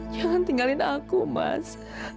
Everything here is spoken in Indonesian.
jangan tinggalin aku mas